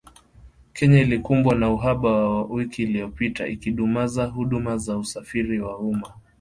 Kenya ilikumbwa na uhaba wiki iliyopita, ikidumaza huduma za usafiri wa umma